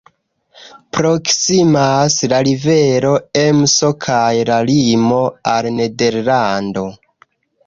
Proksimas la rivero Emso kaj la limo al Nederlando.